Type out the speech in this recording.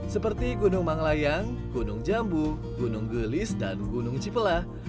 seperti gunung manglayang gunung jambu gunung gelis dan gunung cipelah